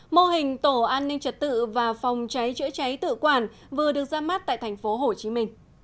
mô hình tổ an ninh trật tự và phòng cháy chữa cháy tự quản vừa được ra mắt tại tp hcm